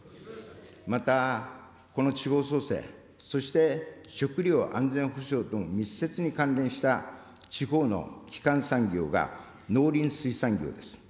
また、この地方創生、そして、食料安全保障とも密接に関連した地方の基幹産業が農林水産業です。